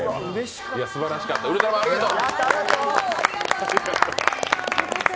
すばらしかった、ウルトラマンありがとう！